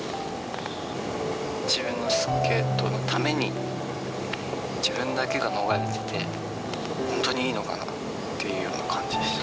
自分のスケートのために、自分だけが逃れていて、本当にいいのかなっていうような感じました。